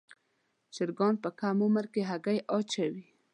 چرګان په کم عمر کې هګۍ اچوي.